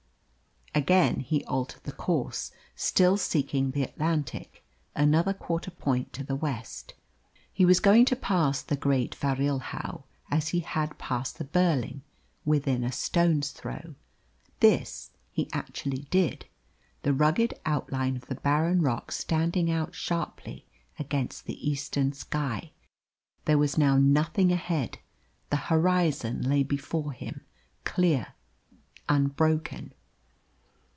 Again he altered the course, still seeking the Atlantic, another quarter point to the west. He was going to pass the Great Farilhao as he had passed the Burling, within a stone's throw. This he actually did, the rugged outline of the barren rock standing out sharply against the eastern sky. There was now nothing ahead; the horizon lay before him, clear, unbroken.